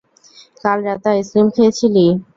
কাল রাতে আইসক্রিম খেয়েছিলি?